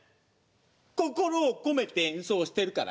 心を込めて演奏してるからよ。